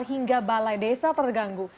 hingga balai desa terganggu